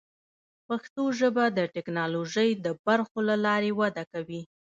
پښتو ژبه د ټکنالوژۍ د برخو له لارې وده کوي.